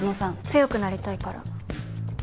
強くなりたいから。